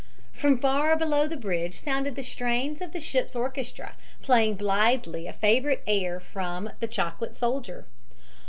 From far below the bridge sounded the strains of the ship's orchestra, playing blithely a favorite air from "The Chocolate Soldier."